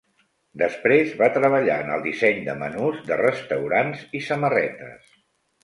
Després va treballar en el disseny de menús de restaurants i samarretes.